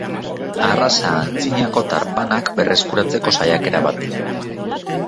Arraza antzinako tarpanak berreskuratzeko saiakera bat da.